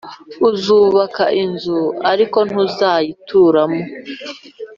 Uzubaka inzu ariko ntuzayituramo.